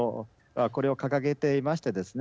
これを掲げていましてですね